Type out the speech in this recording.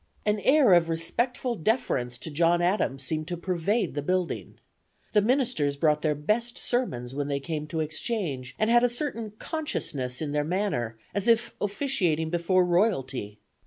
An air of respectful deference to John Adams seemed to pervade the building. The ministers brought their best sermons when they came to exchange, and had a certain consciousness in their manner, as if officiating before royalty.